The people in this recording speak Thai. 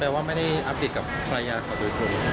แปลว่าไม่ได้อัปเดตกับใครอยากขอตัวคุณ